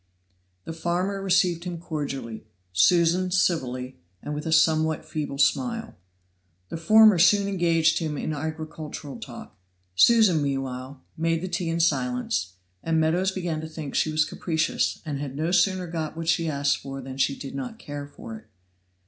The farmer received him cordially Susan civilly, and with a somewhat feeble smile. The former soon engaged him in agricultural talk. Susan, meanwhile, made the tea in silence, and Meadows began to think she was capricious, and had no sooner got what she asked for than she did not care for it.